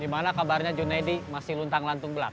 di mana kabarnya junedi masih luntang lantung belaka